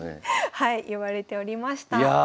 はい呼ばれておりました。